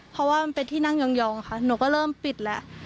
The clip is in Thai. เพราะว่ามันเป็นที่นั่งยองค่ะหนูก็เริ่มปิดแล้ว